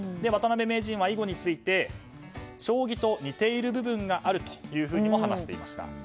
渡辺名人は囲碁について将棋と似ている部分があるとも話していました。